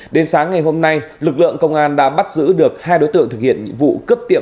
đến sáng ngày hôm nay lực lượng công an đã bắt giữ được hai đối tượng thực hiện vụ cướp tiệm